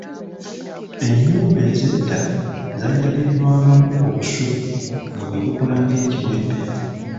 Ennyumba ez'edda zaayaliirirwangamu obusubi nga bwe bukola ng'ekiwempe.